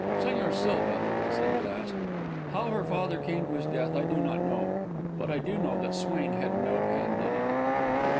"Señor Silva," I said, at last, "how her father came to his death I do not know; but I do know that Swain had no hand in it."